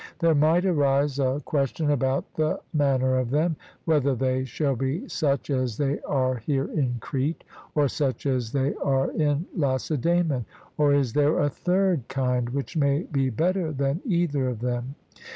There might arise a question about the manner of them whether they shall be such as they are here in Crete, or such as they are in Lacedaemon or is there a third kind which may be better than either of them?